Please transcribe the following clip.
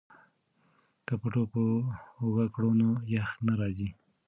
که پټو په اوږه کړو نو یخ نه راځي.